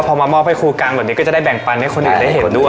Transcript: พอมามอบให้ครูกลางแบบนี้ก็จะได้แบ่งปันให้คนอื่นได้เห็นด้วย